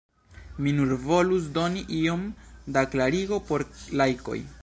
Mi nur volus doni iom da klarigo por laikoj.